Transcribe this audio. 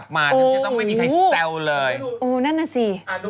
จะต้องไม่มีใครแซวเลยอู๋นั่นนะสิ